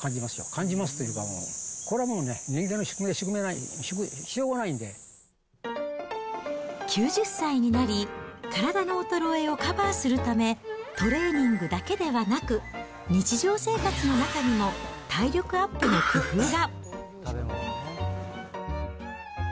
感じますというか、これはもうね、９０歳になり、体の衰えをカバーするため、トレーニングだけではなく、日常生活の中にも体力アップの工夫が。